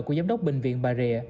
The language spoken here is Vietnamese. của giám đốc bệnh viện bà rệ